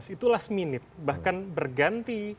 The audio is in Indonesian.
itu last minute bahkan berganti